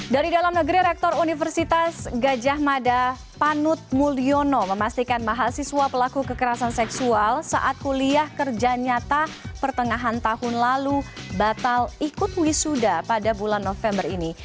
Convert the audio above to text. dari dalam negeri rektor universitas gajah mada panut mulyono memastikan mahasiswa pelaku kekerasan seksual saat kuliah kerja nyata pertengahan tahun lalu batal ikut wisuda pada bulan november ini